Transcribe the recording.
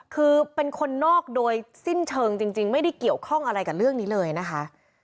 คือเป็นคนนอกโดยสิ้นเชิงจริงไม่ได้เกี่ยวข้องอะไรกับเรื่องนี้เลยนะคะ